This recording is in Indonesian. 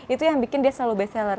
itu yang bikin dia selalu best seller